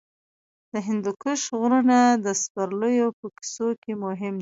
د هندوکش غرونه د سپرليو په کیسو کې مهم دي.